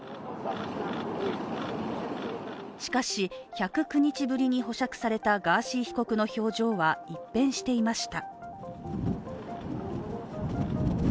しかし１０９日ぶりに保釈されたガーシー被告の表情は一変していました。